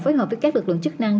phối hợp với các lực lượng chức năng